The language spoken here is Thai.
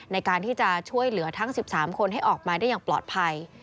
ในการที่จะช่วยเหลือทั้ง๑๓คนให้ออกมาได้อย่างปลอดภัย